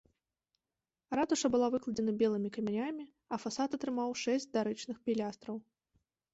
Ратуша была выкладзена белымі камянямі, а фасад атрымаў шэсць дарычных пілястраў.